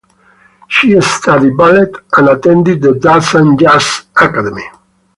She studied ballet and attended the Danzas Jazz academy.